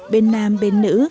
bên nam bên nữ